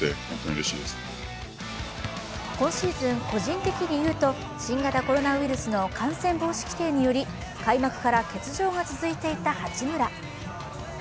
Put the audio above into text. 今シーズン、個人的理由と新型コロナウイルスの感染防止規定により開幕から欠場が続いていた八村。